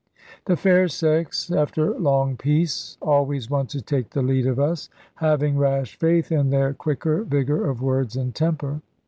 The fair sex (after long peace) always want to take the lead of us, having rash faith in their quicker vigour of words and temper.